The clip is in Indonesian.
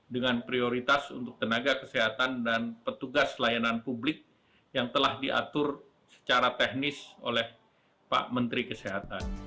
dengan prioritas untuk tenaga kesehatan dan petugas layanan publik yang telah diatur secara teknis oleh pak menteri kesehatan